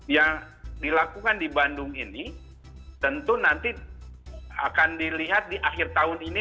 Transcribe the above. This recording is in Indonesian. yang dilakukan di bandung ini tentu nanti akan dilihat di akhir tahun ini